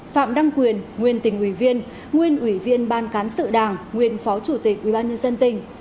phạm đăng quyền nguyên tỉnh ủy viên nguyên ủy viên ban cán sự đảng nguyên phó chủ tịch ubnd tỉnh